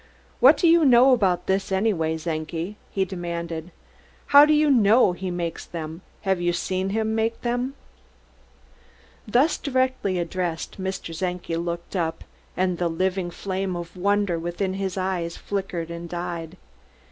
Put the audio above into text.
"What do you know about this, anyway, Czenki?" he demanded. "How do you know he makes them? Have you seen him make them?" Thus directly addressed Mr. Czenki looked up, and the living flame of wonder within his eyes flickered and died.